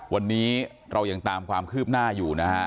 วันนี้เรายังตามความคืบหน้าอยู่นะฮะ